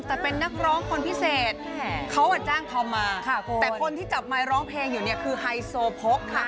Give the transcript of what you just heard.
แต่เป็นนักร้องคนพิเศษเขาจ้างธอมมาแต่คนที่จับไมค์ร้องเพลงอยู่เนี่ยคือไฮโซโพกค่ะ